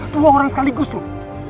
dua orang sekaligus loh